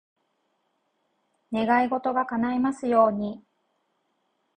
願い事が叶いますように。